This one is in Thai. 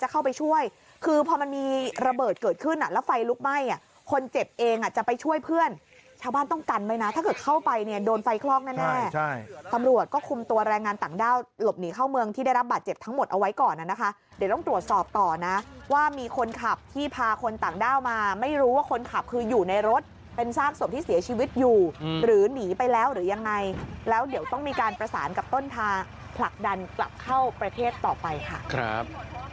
เอาไว้ก่อนนะคะเดี๋ยวต้องตรวจสอบต่อนะว่ามีคนขับที่พาคนต่างด้าวมาไม่รู้ว่าคนขับคืออยู่ในรถเป็นซากสมที่เสียชีวิตอยู่หรือนีไปแล้วหรือยังไงแล้วเดี๋ยวต้องมีการประสานกับต้นทางผลักดันกลับเข้าประเทศต่อไปค่ะครับ